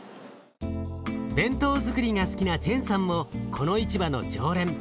弁当づくりが好きなジェンさんもこの市場の常連。